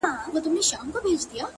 ستا د ښايستې خولې ښايستې خبري ـ